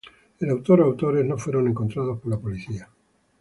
El autor o autores no fueron encontrados por la policía.